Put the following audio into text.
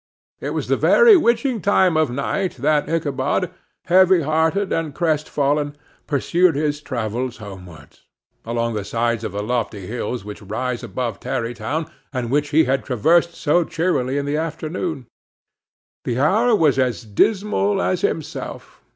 It was the very witching time of night that Ichabod, heavy hearted and crestfallen, pursued his travels homewards, along the sides of the lofty hills which rise above Tarry Town, and which he had traversed so cheerily in the afternoon. The hour was as dismal as himself.